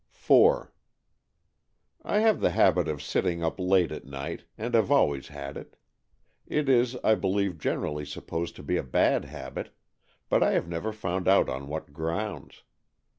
IV I have the habit of sitting up late at night, and have always had it. It is, I believe, generally supposed to be a bad habit, but I have never found out on what grounds.